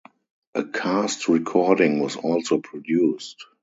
A cast recording was also produced.